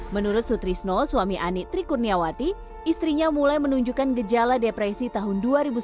menurut sutrisno suami ani trikurniawati istrinya mulai menunjukkan gejala depresi tahun dua ribu sembilan belas